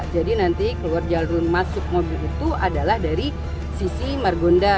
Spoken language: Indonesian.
jadi nanti keluar jalur masuk mobil itu adalah dari sisi margonda